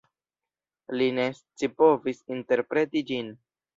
Li ne scipovis interpreti ĝin.